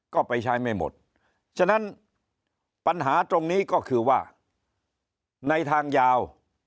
ก็ไปใช้ไม่หมดฉะนั้นปัญหาตรงนี้ก็คือว่าในทางยาว